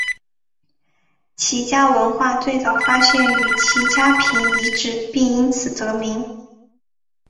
齐家文化最早发现于齐家坪遗址并因此得名。